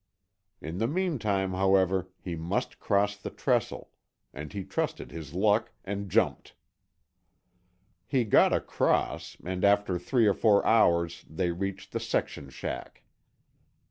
In the meantime, however, he must cross the trestle, and he trusted his luck and jumped. He got across and after three or four hours they reached the section shack.